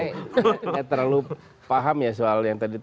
saya terlalu paham ya soal yang tadi